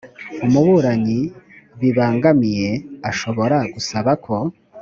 umuburanyi bibangamiye ashobora gusaba ko